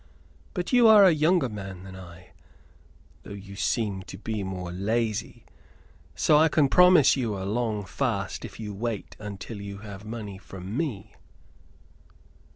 But you are a younger man than I, though you seem to be more lazy; so I can promise you a long fast if you wait until you have money from me."